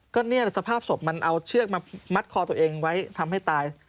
ก็เนี่ยสภาพศพมันเอาเชือกมามัดคอตัวเองไว้ทำให้ตาย